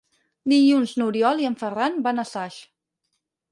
Dilluns n'Oriol i en Ferran van a Saix.